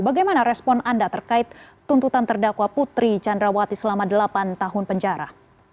bagaimana respon anda terkait tuntutan terdakwa putri candrawati selama delapan tahun penjara